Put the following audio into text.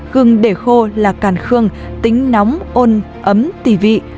gừng để khô là càn khương tính nóng ôn ấm tì vị